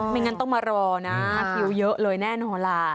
ไม่งั้นต้องมารอนะคิวเยอะเลยแน่นอนล่ะ